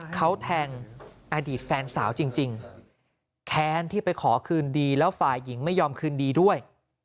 เขาแทงอดีตแฟนสาวจริงแค้นที่ไปขอคืนดีแล้วฝ่ายหญิงไม่ยอมคืนดีด้วย